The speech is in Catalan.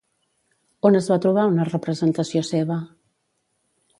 On es va trobar una representació seva?